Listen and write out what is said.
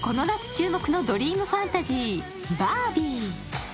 注目のドリームファンタジー「バービー」。